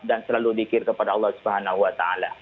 dan selalu zikir kepada allah subhanahu wa ta'ala